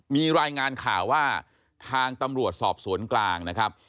มีรายงานข่าวว่าทางตำรวจสอบสวนกลางนะครับ